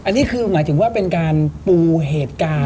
อันนี้คือหมายถึงว่าเป็นการปูเหตุการณ์